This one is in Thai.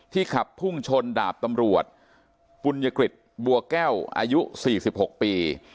ที่ขับพุ่งชนดาบตำลวดปุญกฤทธิ์บัวแก้วอายุสี่สิบหกปี